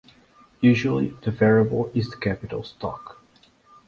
Usually, the variable is the capital stock.